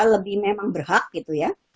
lebih memang berhak gitu ya